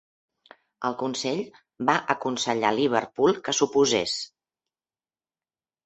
El Consell va aconsellar Liverpool que s'oposés.